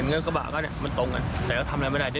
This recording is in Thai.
วันนั้นต้องเอาอันนี้เป็นจบ